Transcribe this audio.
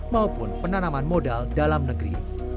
maupun penanaman modal dalam negeri